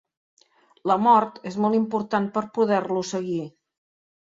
La mort és molt important per poder-lo seguir.